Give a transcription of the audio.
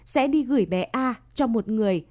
sẽ đi gửi bé a cho một người